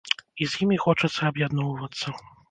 І з імі хочацца аб'ядноўвацца.